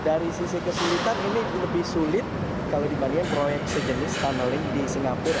dari sisi kesulitan ini lebih sulit kalau dibandingkan proyek sejenis tunneling di singapura